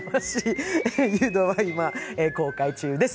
「湯道」は今、公開中です。